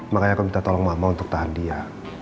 makanya aku minta tolong mama untuk tahan dia